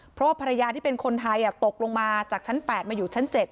เพราะว่าภรรยาที่เป็นคนไทยตกลงมาจากชั้น๘มาอยู่ชั้น๗